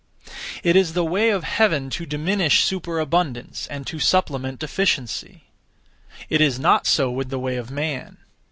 It is the Way of Heaven to diminish superabundance, and to supplement deficiency. It is not so with the way of man.